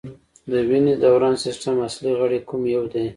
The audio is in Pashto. د وینې دوران سیستم اصلي غړی کوم یو دی